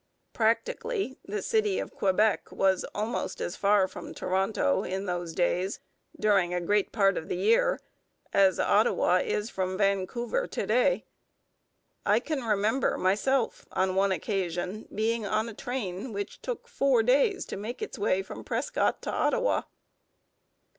Practically the city of Quebec was almost as far from Toronto in those days, during a great part of the year, as Ottawa is from Vancouver to day. I can remember, myself, on one occasion being on a train which took four days to make its way from Prescott to Ottawa.